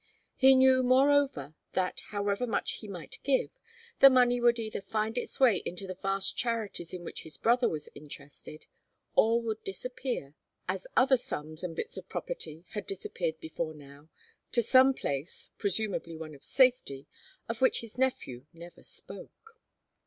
He knew, moreover, that, however much he might give, the money would either find its way into the vast charities in which his brother was interested, or would disappear, as other sums and bits of property had disappeared before now, to some place presumably one of safety of which his nephew never spoke.